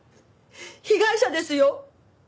被害者ですよ。